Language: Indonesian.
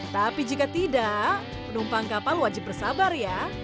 tapi jika tidak penumpang kapal wajib bersabar ya